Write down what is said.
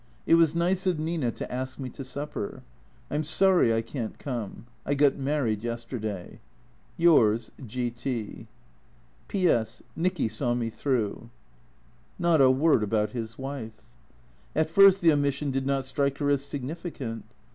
" It was nice of Nina to ask me to supper. I 'm sorry I can't come. I got married yesterday. "Yrs., G. T. "P.S. — Nicky saw me through." Not a word about his wife. At first the omission did not strike her as significant.